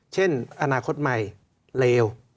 เช่นอนาคตใหม่เลว